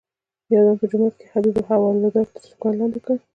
یو دم په جومات کې حبیب حوالدار تر سوکانو لاندې کړ.